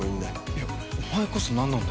いやお前こそ何なんだよ？